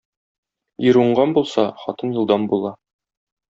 Ир уңган булса, хатын елдам була.